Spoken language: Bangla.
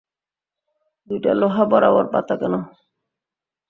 দুইটা লোহা বরাবর পাতা কেন?